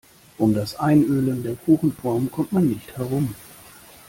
Um das Einölen der Kuchenform kommt man nicht herum.